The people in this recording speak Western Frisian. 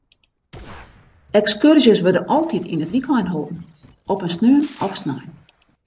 Ekskurzjes wurde altyd yn it wykein holden, op in sneon of snein.